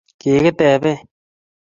Kikitebe